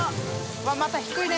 わっまた低いね。